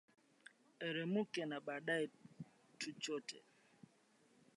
eremuke na baadaye tuchote